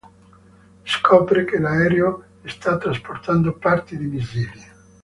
Scopre che l'aereo sta trasportando parti di missili.